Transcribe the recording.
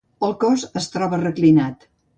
El cos es troba reclinat.